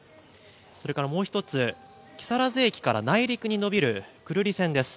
それからもう１つ、木更津駅から内陸に延びる久留里線です。